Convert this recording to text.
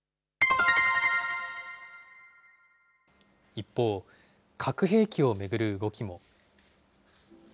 一方、核兵器を巡る動きも。